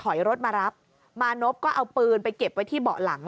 ถอยรถมารับมานพก็เอาปืนไปเก็บไว้ที่เบาะหลัง